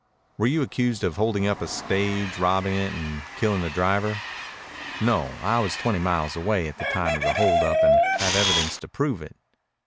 "Were you accused of holding up a stage, robbing it, and killing the driver?" "No. I was twenty miles away at the time of the hold up and had evidence to prove it."